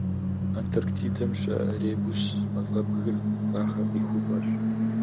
Антарктидэм щыӏэ Эребус мафӏэбгыр бахъэ къихупӏэщ.